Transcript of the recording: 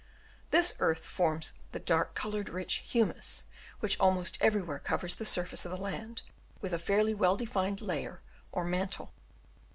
This earth forms the dark coloured, rich humus which almost everywhere covers the surface of the land with a fairly well defined layer or mantle.